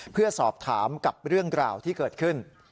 เพื่อสอบถามกับเรื่องกล่าวที่เกิดขึ้น